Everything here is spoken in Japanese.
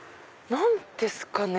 何ですかね？